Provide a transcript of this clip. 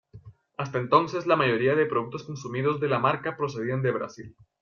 Hasta entonces, la mayoría de productos consumidos de la marca procedían de Brasil.